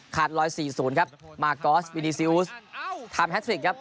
ขาดรอย๔๐ครับมากอสวินีเซียุสทำแฮททริคครับ